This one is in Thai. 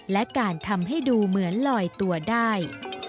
และการทำให้ดูเหมือนลอยตัวได้